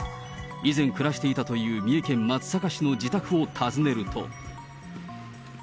以前暮らしていたという三重県松阪市の自宅を訪ねると。